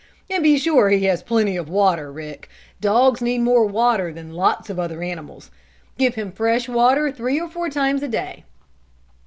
And be sure he has plenty of water, Rick. Dogs need more water than lots of other animals. Give him fresh water three or four times a day."